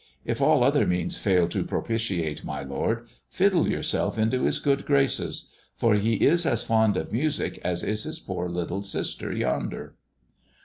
If all other means fail to propitiate my lord, fiddle yourself into his good graces, for he is as fond of music as is his poor little sister yonder."